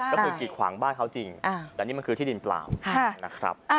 ก็คือกิดขวางบ้านเขาจริงแต่นี่มันคือที่ดินเปล่านะครับ